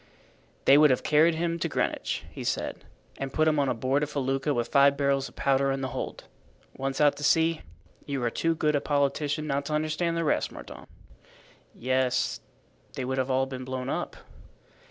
"They would have carried him to Greenwich," he said, "and put him on board a felucca with five barrels of powder in the hold. Once out to sea, you are too good a politician not to understand the rest, Mordaunt." "Yes, they would have all been blown up."